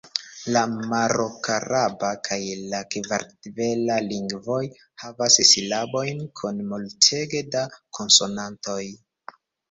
La marokaraba kaj la kartvela lingvoj havas silabojn kun multege da konsonantoj.